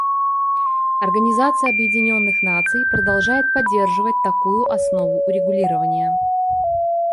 Организация Объединенных Наций продолжает поддерживать такую основу урегулирования.